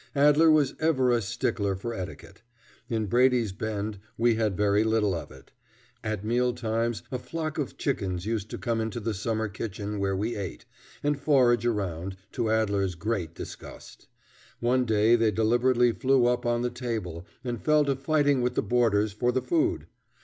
Adler was ever a stickler for etiquette. In Brady's Bend we had very little of it. At mealtimes a flock of chickens used to come into the summer kitchen where we ate, and forage around, to Adler's great disgust. One day they deliberately flew up on the table, and fell to fighting with the boarders for the food.